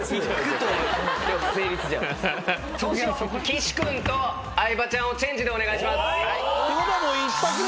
岸君と相葉ちゃんをチェンジでお願いします。